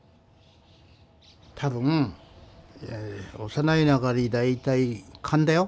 多分幼いながらに大体勘だよ。